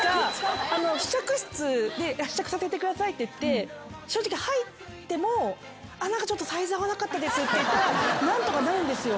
試着室で試着させてくださいって言って正直入ってもあっ何かちょっと。って言ったら何とかなるんですよ。